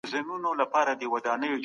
انسان باید چمتو وي.